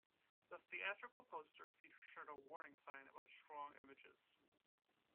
The theatrical poster featured a warning sign about strong images.